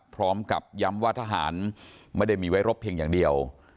พร้อมกับย้ำว่าทหารไม่ได้มีไว้รบเพียงอย่างเดียว